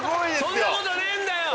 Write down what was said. そんなことねえんだよ！